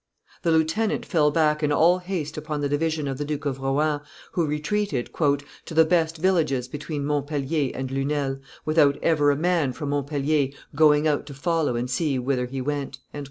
The lieutenant fell back in all haste upon the division of the Duke of Rohan, who retreated "to the best Villages between Montpellier and Lunel, without ever a man from Montpellier going out to follow and see whither he went."